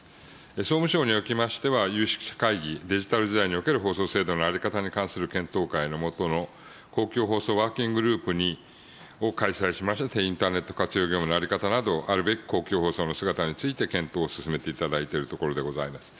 総務省におきましては、有識者会議、デジタル時代における放送制度の在り方に関する検討会の下の公共放送ワーキンググループを開催しまして、インターネット活用業務の在り方など、あるべき公共放送の姿について検討を進めていただいているところでございます。